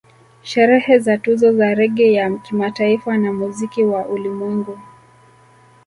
Sherehe za Tuzo za Reggae ya Kimataifa na Muziki wa ulimwengu